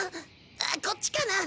こっちかな？